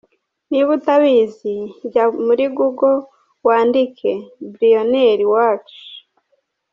Niba utayizi, jya muri google wandike Billionaire Watch.